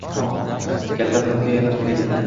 Kaltafahmga ayollar kerak edi